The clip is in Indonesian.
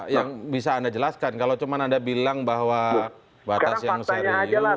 yang bisa anda jelaskan kalau cuma anda bilang bahwa batas yang serius